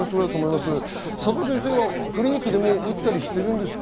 佐藤先生はクリニックでもう打ったりしてるんですか？